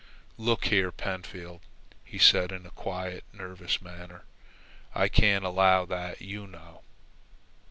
"Look here, Pentfield," he said, in a quiet, nervous manner; "I can't allow that, you know."